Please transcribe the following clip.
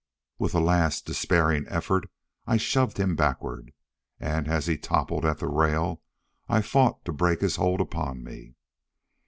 With a last despairing effort I shoved him backward. And as he toppled at the rail, I fought to break his hold upon me.